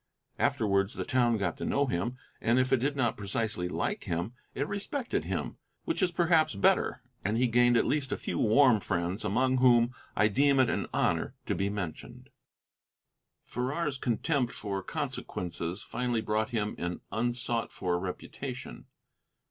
Afterwards the town got to know him, and if it did not precisely like him, it respected him, which perhaps is better. And he gained at least a few warm friends, among whom I deem it an honor to be mentioned. Farrar's contempt for consequences finally brought him an unsought for reputation.